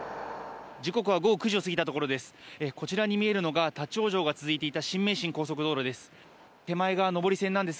時刻は午後９時を過ぎたところです。